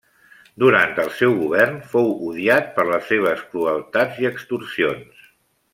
Durant el seu govern fou odiat per les seves crueltats i extorsions.